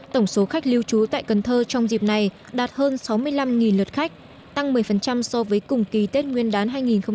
tổng số khách lưu trú tại cần thơ trong dịp này đạt hơn sáu mươi năm lượt khách tăng một mươi so với cùng kỳ tết nguyên đán hai nghìn một mươi chín